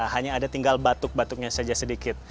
hanya ada tinggal batuk batuknya saja sedikit